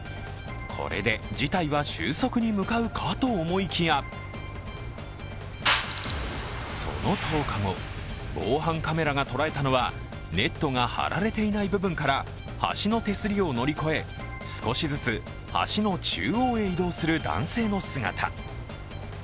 これで事態は収束に向かうかと思いきやその１０日後、防犯カメラが捉えたのはネットが張られていない部分から橋の手すりを乗り越え少しずつ橋の中央へ移動する男性の姿。